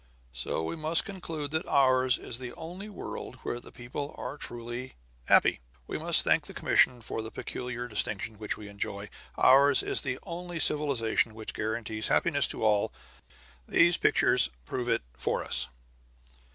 "So we must conclude that ours is the only world where the people are truly happy. We must thank the commission for the peculiar distinction which we enjoy. Ours is the only civilization which guarantees happiness to all; these pictures prove it for us."